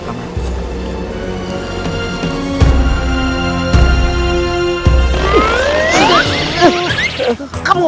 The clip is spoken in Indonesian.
kamu mau minyak minyak aduh